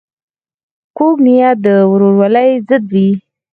کوږه نیت د ورورولۍ ضد وي